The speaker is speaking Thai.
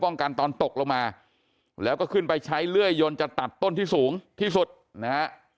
กันตอนตกลงมาแล้วก็ขึ้นไปใช้เลื่อยยนต์จะตัดต้นที่สูงที่สุดนะฮะ